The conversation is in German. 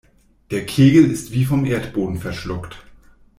Der Kegel ist wie vom Erdboden verschluckt.